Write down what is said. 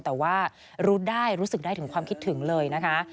แต่ว่ารู้ได้รู้สึกได้ถึงความคิดถึงเลยนะคะ